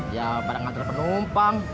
ya pada ngantre penumpang